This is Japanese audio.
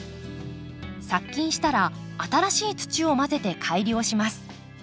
殺菌したら新しい土を混ぜて改良します。